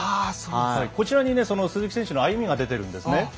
こちらに鈴木選手の歩みが出ています。